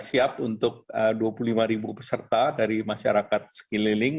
siap untuk dua puluh lima peserta dari masyarakat sekeliling